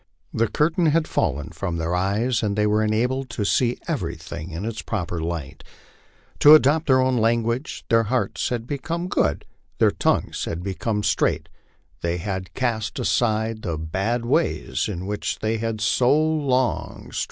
The curtain had fallen from their eyes, and they were enabled to see everything in its proper light. To adopt their own language, " their hearts had become good," " their tongues had become straight," they had cast aside the bad ways in which they had so long strug 200 LIFE ON THE PLAINS.